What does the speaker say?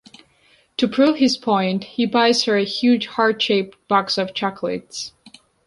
To prove his point, he buys her a huge heart-shaped box of chocolates.